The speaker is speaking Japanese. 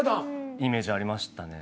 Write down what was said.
イメージありましたね。